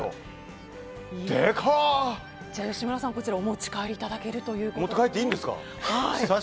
吉村さん、こちらお持ち帰りいただけると。